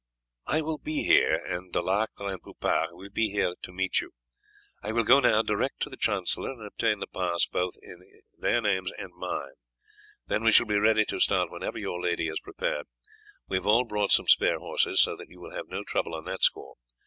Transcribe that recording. "I will be here, and De Lactre and Poupart will be here to meet you. I will go now direct to the chancellor and obtain the pass both in their names and mine, then we shall be ready to start whenever your lady is prepared. We have all brought some spare horses, so that you will have no trouble on that score.